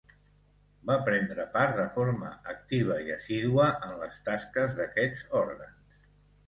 Va prendre part de forma activa i assídua en les tasques d'aquests òrgans.